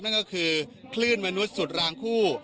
นั่นก็คือคลื่นมนุษย์สุดรางคู่